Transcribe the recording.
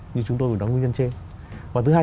như chúng tôi đã nói nguyên nhân trên và thứ hai